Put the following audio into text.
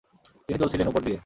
তিনি চলছিলেন উপর দিয়ে।